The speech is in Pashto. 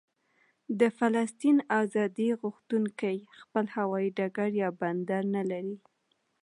د فلسطین ازادي غوښتونکي خپل هوايي ډګر یا بندر نه لري.